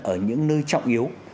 ở những nơi trọng yếu